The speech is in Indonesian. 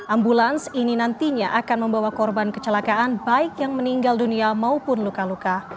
ambulans ini nantinya akan membawa korban kecelakaan baik yang meninggal dunia maupun luka luka